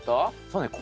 そうね